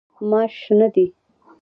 ماش شنه دي.